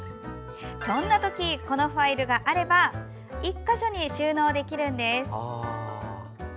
そんなときこのファイルがあれば１か所に収納できるんです。